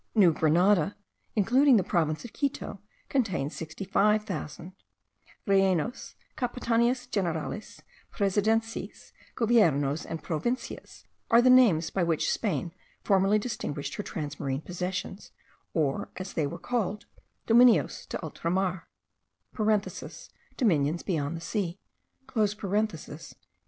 New Grenada, including the province of Quito, contains 65,000. Reinos, Capitanias Generales, Presidencies, Goviernos, and Provincias, are the names by which Spain formerly distinguished her transmarine possessions, or, as they were called, Dominios de Ultramar (Dominions beyond Sea.))